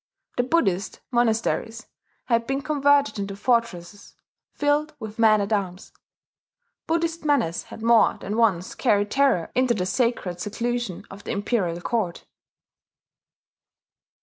The Buddhist monasteries had been converted into fortresses filled with men at arms; Buddhist menace had more than once carried terror into the sacred seclusion of the imperial court.